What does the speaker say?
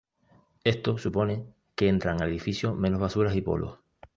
Esto supone que entran al edificio menos basuras y polvo.